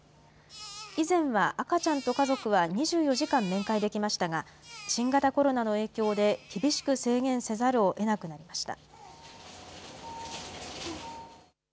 以前は赤ちゃんと家族は２４時間面会できましたが、新型コロナの影響で厳しく制限せざるをえなくなりました。